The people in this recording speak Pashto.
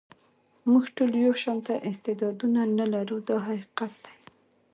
موږ ټول یو شان استعدادونه نه لرو دا حقیقت دی.